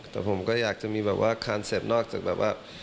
แต่ผมก็อยากจะมีแบบว่าคานเซ็ปต์นอกจากแบบว่า